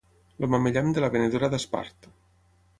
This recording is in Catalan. El mamellam de la venedora d'espart.